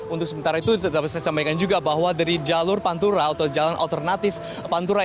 untuk sementara itu dapat saya sampaikan juga bahwa dari jalur pantura atau jalan alternatif pantura